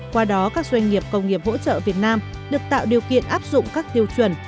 qua đó các doanh nghiệp công nghiệp hỗ trợ việt nam được tạo điều kiện áp dụng các tiêu chuẩn